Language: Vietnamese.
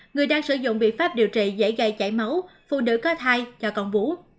người đang sử dụng biện pháp điều trị dễ gây chảy máu phụ nữ có thai cho con vú